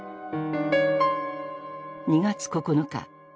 ２月９日。